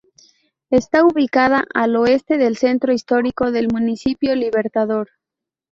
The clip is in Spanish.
Está ubicada al oeste del centro histórico del Municipio Libertador.